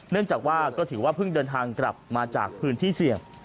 เนื่องจากว่าก็ถือว่าเพิ่งเดินทางกลับมาจากพื้นที่เสี่ยง